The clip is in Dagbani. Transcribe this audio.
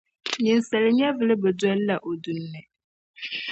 Ninsala nyɛvili bi dɔlla o duni ni.